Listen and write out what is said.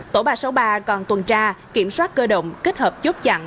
tổ ba trăm sáu mươi ba còn tuần tra kiểm soát cơ động kết hợp chốt chặn